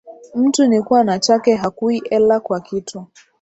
Mtu ni kuwa na chake, hakuwi ela kwa kitu